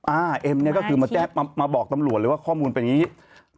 เอ็มเนี่ยก็คือมาแจ้งมาบอกตำรวจเลยว่าข้อมูลเป็นอย่างนี้